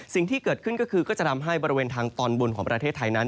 สิ่งที่เกิดขึ้นก็คือก็จะทำให้บริเวณทางตอนบนของประเทศไทยนั้น